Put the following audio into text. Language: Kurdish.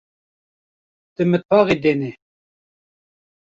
Di mitbaxê de ne.